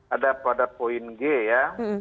ada pada poin g ya